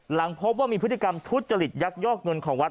หลังพบว่ามีพฤติกรรมทุจริตยักยอกเงินของวัด